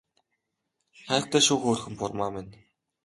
Хайртай шүү хөөрхөн бурмаа минь